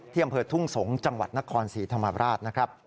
อำเภอทุ่งสงศ์จังหวัดนครศรีธรรมราชนะครับ